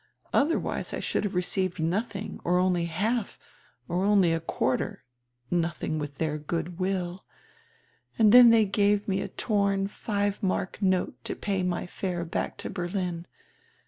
Odierwise I should have received nothing, or only half, or only a quar ter — nothing with their good will. And they gave me a torn five mark note to pay my fare back to Berlin.